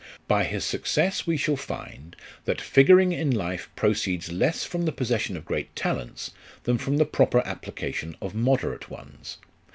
By his successes we shall find, that figuring in life proceeds less from the possession of great talents, than from the proper application of moderate ones.